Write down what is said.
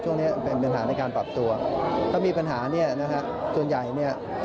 เนี้ยเป็นปัญหาในการปรับตัวถ้ามีปัญหาเนี่ยนะฮะส่วนใหญ่เนี่ย